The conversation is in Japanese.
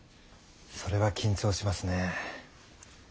それは緊張しますね。